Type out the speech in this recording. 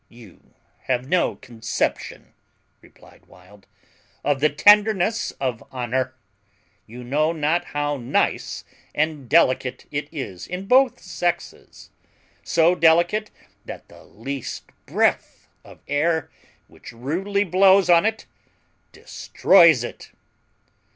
"You have no conception," replied Wild, "of the tenderness of honour; you know not how nice and delicate it is in both sexes; so delicate that the least breath of air which rudely blows on it destroys it."